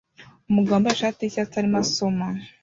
umugabo wambaye ishati yicyatsi arimo asoma